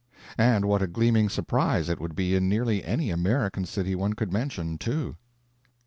And what a gleaming surprise it would be in nearly any American city one could mention, too!